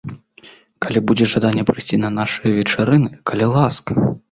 Калі будзе жаданне прыйсці на нашыя вечарыны, калі ласка!